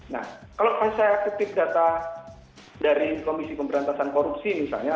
nah kalau saya kutip data dari komisi pemberantasan korupsi misalnya